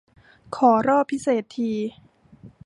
ขอรอบพิเศษ ที